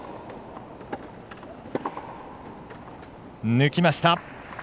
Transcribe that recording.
抜きました！